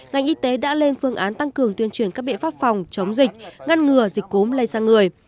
ngành y tế đã lên phương án tăng cường tuyên truyền các biện pháp phòng chống dịch ngăn ngừa dịch cốm lây sang người